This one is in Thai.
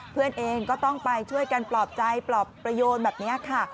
เพื่อนเองก็ต้องไปช่วยกันปลอบใจปลอบประโยชนแบบนี้ค่ะ